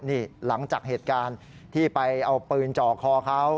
นี่หลังจากเหตุการณ์ที่ไปเอาปืนจ่อคอเขา